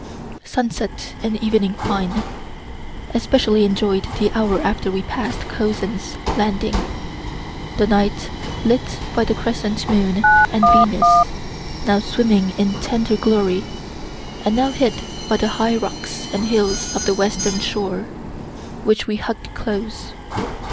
Sunset and evening fine. Especially enjoy'd the hour after we passed Cozzens's landing the night lit by the crescent moon and Venus, now swimming in tender glory, and now hid by the high rocks and hills of the western shore, which we hugg'd close.